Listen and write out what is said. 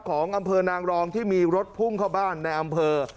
ของอำเภอนางรองที่มีรถพุ่งเข้าบ้านในอำเภอ